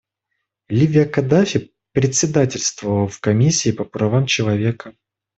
Ливия Каддафи председательствовала в Комиссии по правам человека.